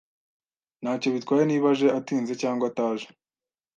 Ntacyo bitwaye niba aje atinze cyangwa ataje.